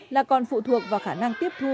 là còn phụ thuộc vào khả năng tiếp thu